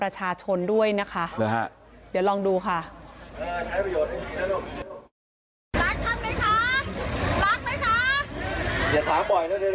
ไม่ได้ใครอยากให้เกิดน้องบานก็ต้องไปหายได้